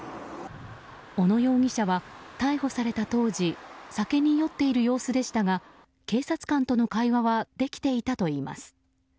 小野容疑者は逮捕された当時酒に酔っている様子でしたが警察官との会話はできていたといいます。